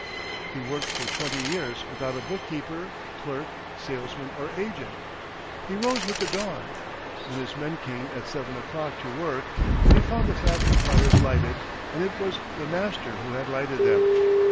He worked for twenty years without a book keeper, clerk, salesman, or agent. He rose with the dawn. When his men came at seven o'clock to work, they found the factory fires lighted, and it was the master who had lighted them.